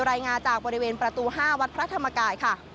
รายงานจากบริเวณประตู๕วัดพระธรรมกายค่ะ